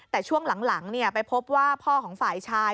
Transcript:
แต่ช่วงหลังไปพบว่าพ่อของฝ่ายชาย